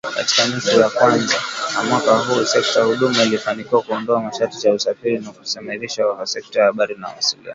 Katika nusu ya kwanza ya mwaka huu, sekta ya huduma ilifanikiwa kuondoa masharti ya usafiri na kuimarishwa kwa sekta ya habari na mawasiliano